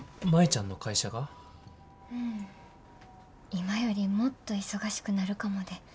今よりもっと忙しくなるかもで。